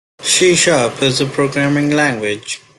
C Sharp is a programming language.